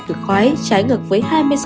cực khoái trái ngược với hai mươi sáu